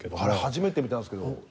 あれ初めて見たんですけど。